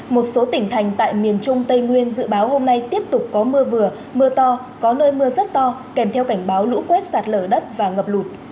một số tỉnh thành tại miền trung tây nguyên dự báo hôm nay tiếp tục có mưa vừa mưa to có nơi mưa rất to kèm theo cảnh báo lũ quét sạt lở đất và ngập lụt